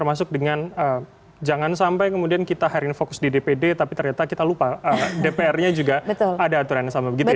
jadi kemudian jangan sampai kemudian kita harian fokus di dpd tapi ternyata kita lupa dpr nya juga ada aturan yang sama gitu ya